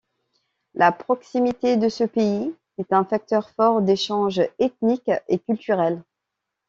La proximité de ce pays est un facteur fort d'échanges ethniques et culturels.